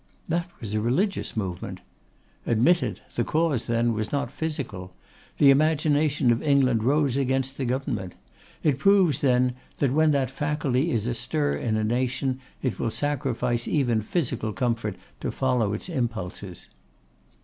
'That was a religious movement.' 'Admit it; the cause, then, was not physical. The imagination of England rose against the government. It proves, then, that when that faculty is astir in a nation, it will sacrifice even physical comfort to follow its impulses.